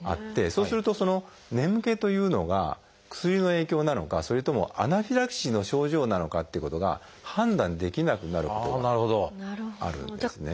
そうするとその眠気というのが薬の影響なのかそれともアナフィラキシーの症状なのかっていうことが判断できなくなることがあるんですね。